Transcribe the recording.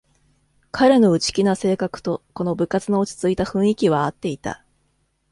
彼の内気な性格とこの部活の落ちついた雰囲気はあっていた